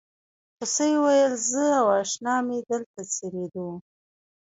هوسۍ وویل زه او اشنا مې دلته څریدو.